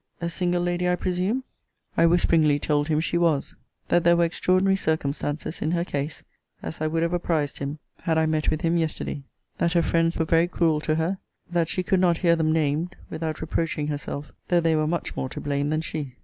A single lady, I presume? I whisperingly told him she was. That there were extraordinary circumstances in her case; as I would have apprized him, had I met with him yesterday: that her friends were very cruel to her; but that she could not hear them named without reproaching herself; though they were much more to blame than she.